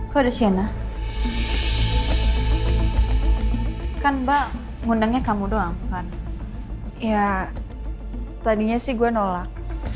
kode sienna kan mbak ngundangnya kamu doang ya tadinya sih gue nolak